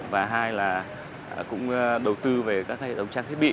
và hai là cũng đầu tư về các hệ thống trang thiết bị